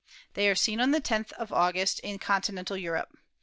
They are seen on the 10th of August in continental Europe.